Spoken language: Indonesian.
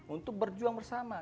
untuk berjuang bersama